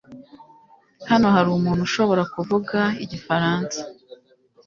Hano hari umuntu ushobora kuvuga igifaransa?